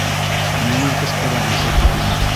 Ниңә ҡысҡыраһың шул тиклем?